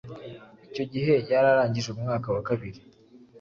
icyo gihe yari arangije umwaka wa kabiri